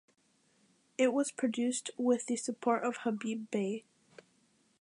It was produced with the support of Habib Bey.